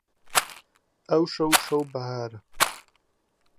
ئەوشەو شەو بەهارە